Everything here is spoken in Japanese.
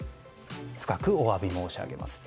深くお詫び申し上げますと。